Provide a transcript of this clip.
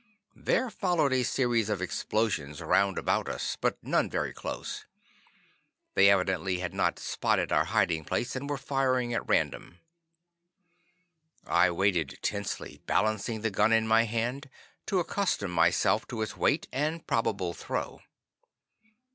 There followed a series of explosions round about us, but none very close. They evidently had not spotted our hiding place, and were firing at random. I waited tensely, balancing the gun in my hand, to accustom myself to its weight and probable throw.